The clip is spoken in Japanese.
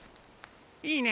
いいね